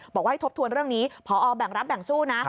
บอกว่าให้ทบทวนเรื่องนี้พอแบ่งรับแบ่งสู้นะ